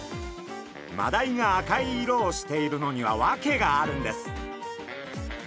マダイが赤い色をしているのには訳があるんです。